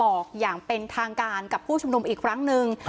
ออกอย่างเป็นทางการกับผู้ชุมนุมอีกครั้งหนึ่ง